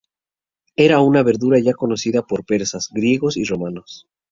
Era una verdura ya conocida por persas, griegos y romanos.